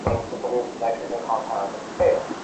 মেয়েকে তো আর মেয়ে বে করবে না।